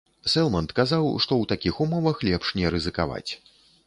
Сэлманд казаў, што ў такіх умовах лепш не рызыкаваць.